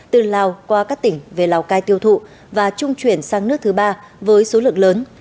từ lào qua các tỉnh về lào cai tiêu thụ và trung chuyển sang nước thứ ba với số lượng lớn